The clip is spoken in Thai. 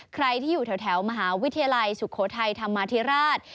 ใครที่อยู่แถวมหาวิทยาลัยสุโขทัยธรรมาธิราช